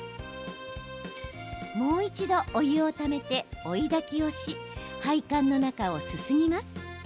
もう一度、お湯をためて追いだきをし配管の中をすすぎます。